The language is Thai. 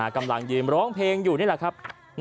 กำลังยืนร้องเพลงอยู่นี่แหละครับ